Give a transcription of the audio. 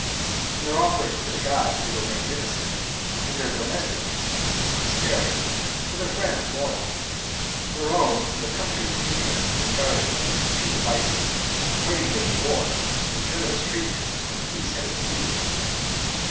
In their offerings to the gods they were magnificent, in their domestic expenses sparing, to their friends loyal. Their own and their country's interests they guarded by these two devices — hardi hood in war, and generous treatment when peace had ensued.